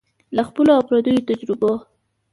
له خپلو او پردیو تجربو